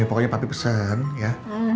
pokoknya papi pesen ya